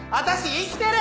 生きてる？